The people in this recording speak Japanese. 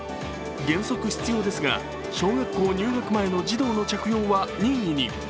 原則必要ですが小学校入学前の児童の着用は任意に。